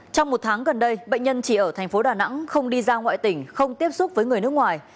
trong một tháng gần đây bệnh nhân chỉ ở thành phố đà nẵng không đi ra ngoại tỉnh không tiếp xúc với người nước ngoài